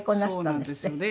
そうなんですよね。